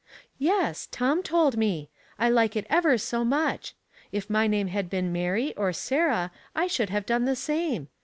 " Yes, Tom told me. I like it ever so much ; if my name had been Mary or Sarah I should have done the same.